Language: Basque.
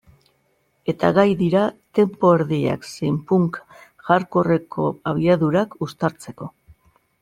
Eta gai dira tempo erdiak zein punk-hardcoreko abiadurak uztartzeko.